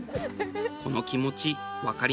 この気持ちわかりますか？